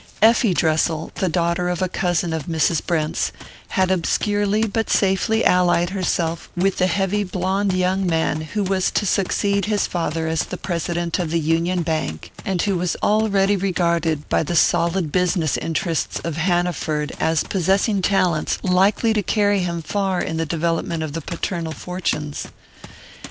Effie Dressel, the daughter of a cousin of Mrs. Brent's, had obscurely but safely allied herself with the heavy blond young man who was to succeed his father as President of the Union Bank, and who was already regarded by the "solid business interests" of Hanaford as possessing talents likely to carry him far in the development of the paternal fortunes.